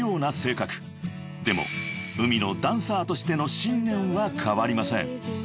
［でもＵＭＩのダンサーとしての信念は変わりません］